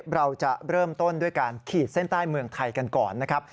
เราจะเริ่มต้นด้วยการขีดเส้นใต้เมืองไทยกันก่อนนะครับ